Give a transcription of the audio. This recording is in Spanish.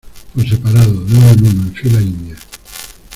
por separado. de uno en uno, en fila india .